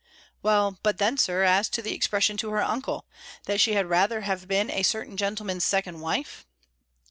"Well, but then, Sir, as to the expression to her uncle, that she had rather have been a certain gentleman's second wife?"